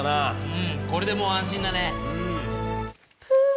うんこれでもう安心だね。